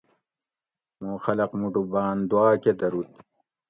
موں خلق موٹو باۤن دوآۤ کہ دھروت